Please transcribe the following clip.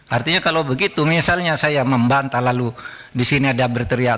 artinya kalau begitu misalnya saya membanta lalu di sini ada berteriak